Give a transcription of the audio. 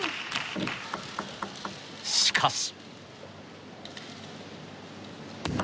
しかし。